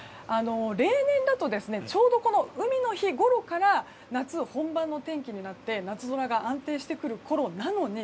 例年だとちょうど海の日ごろから夏本番の天気になって夏空が安定してくるころなのに